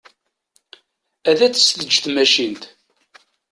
Ad tt-teǧǧ tmacint.